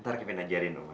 ntar kevin ajarin oma